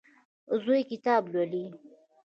زوی کتاب لولي.